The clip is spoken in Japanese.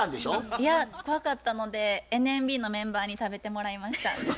いや怖かったのでＮＭＢのメンバーに食べてもらいました。